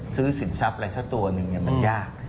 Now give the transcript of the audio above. สินทรัพย์อะไรสักตัวหนึ่งมันยาก